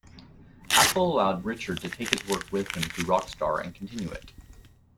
Apple allowed Richard to take his work with him to Rockstar and continue it.